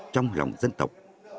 trong lòng dân tộc